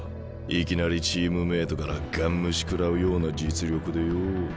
いきなりチームメートからガン無視食らうような実力でよぉ。